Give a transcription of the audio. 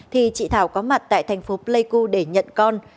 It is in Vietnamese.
thì chị thảo có mặt tại thành phố pleiku để nhận con